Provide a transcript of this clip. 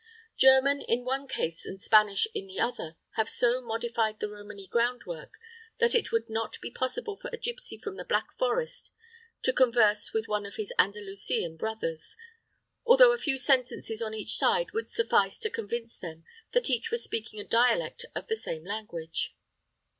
German in one case and Spanish in the other have so modified the Romany groundwork that it would not be possible for a gipsy from the Black Forest to converse with one of his Andalusian brothers, although a few sentences on each side would suffice to convince them that each was speaking a dialect of the same language.